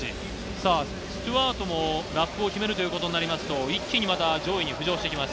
さあ、スチュワートもラップを決めるということになりますと、一気にまた上位に浮上していきます。